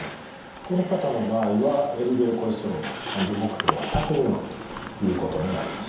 この方の場合はＬＤＬコレステロールの管理目標は１００未満ということになります。